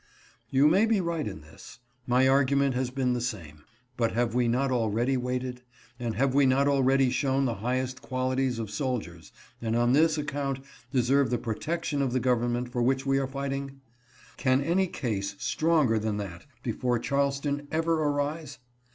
' You may be right in this; my argument has been the same; but have we not already waited, and have we not already shown the highest qualities of soldiers, and on this account deserve the protection of the government for which we are fighting ? Can any case stronger than that before Charleston ever arise?